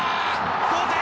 同点！